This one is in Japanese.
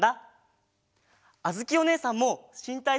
あづきおねえさんもしんたい